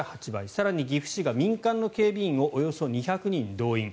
更に岐阜市が民間の警備員をおよそ２００人動員。